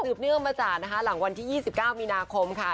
เนื่องมาจากนะคะหลังวันที่๒๙มีนาคมค่ะ